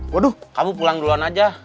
waduh kamu pulang duluan aja